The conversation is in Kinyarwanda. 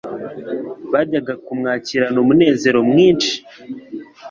Bajyaga kumwakirana umunezero mwinshi